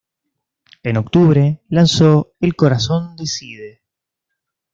En octubre, lanzó "El Corazón Decide".